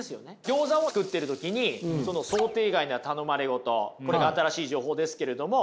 ギョーザを作ってる時にその想定外な頼まれ事これが新しい情報ですけれども。